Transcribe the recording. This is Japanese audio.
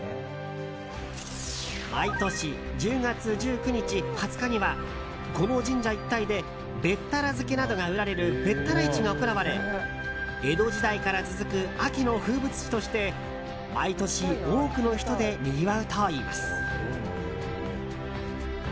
毎年１０月１９日、２０日にはこの神社一帯でべったら漬けなどが売られるべったら市が行われ江戸時代から続く秋の風物詩として毎年、多くの人でにぎわうといいます。